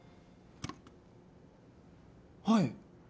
はい。